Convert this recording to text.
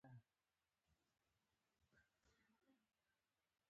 شېخ عیسي مشواڼي د هندي او افغاني ګډ ثقافت ممثل ګڼل سوى دئ.